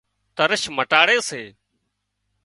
ترش مٽاڙي سي